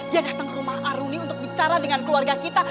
dia datang ke rumah aruni untuk bicara dengan keluarga kita